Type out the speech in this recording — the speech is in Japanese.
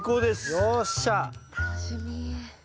楽しみ。